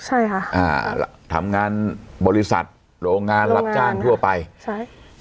ใช่ค่ะอ่าทำงานบริษัทโรงงานรับจ้างทั่วไปใช่